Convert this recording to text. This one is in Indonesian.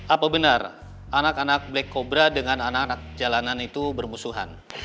apa benar anak anak black cobra dengan anak anak jalanan itu bermusuhan